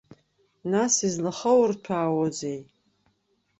Нас излахоурҭәаауазеи?